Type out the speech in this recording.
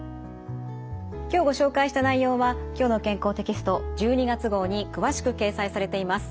今日ご紹介した内容は「きょうの健康」テキスト１２月号に詳しく掲載されています。